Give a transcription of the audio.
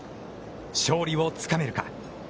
勝利をつかめるか。